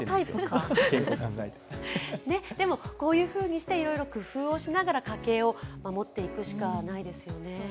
でもこういうふうにして、いろいろ工夫をしながら家計を守っていくしかないですよね。